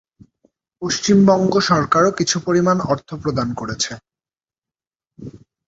পশ্চিমবঙ্গ সরকারও কিছু পরিমাণ অর্থ প্রদান করেছে।